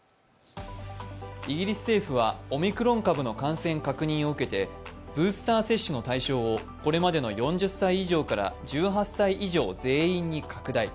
イギリス政府はオミクロン株の感染確認を受けてブースター接種の対象をこれまでの４０歳以上から１８歳以上全員に拡大。